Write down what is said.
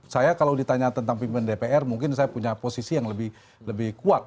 saya kalau ditanya tentang pimpinan dpr mungkin saya punya posisi yang lebih kuat